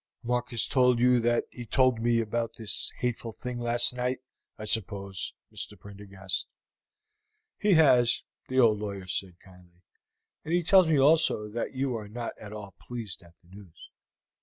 "Mark has told you that he told me about this hateful thing last night, I suppose, Mr. Prendergast?" "He has," the old lawyer said kindly; "and he tells me also that you are not at all pleased at the news."